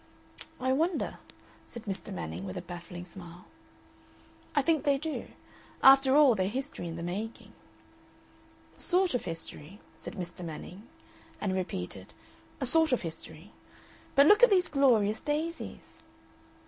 "I wonder," said Mr. Manning, with a baffling smile. "I think they do. After all, they're history in the making." "A sort of history," said Mr. Manning; and repeated, "a sort of history. But look at these glorious daisies!"